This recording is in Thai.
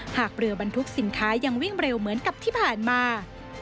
หากเรือบรรทุกสินค้ายังวิ่งเร็วเหมือนกับที่ผ่านมา